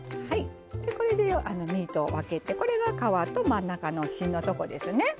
でこれで実と分けてこれが皮と真ん中の芯のとこですね。